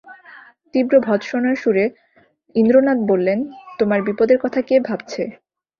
তীব্র ভর্ৎসনার সুরে ইন্দ্রনাথ বললেন, তোমার বিপদের কথা কে ভাবছে?